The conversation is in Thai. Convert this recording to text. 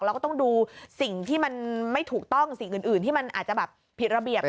เราก็ต้องดูสิ่งที่มันไม่ถูกต้องสิ่งอื่นที่มันอาจจะแบบผิดระเบียบ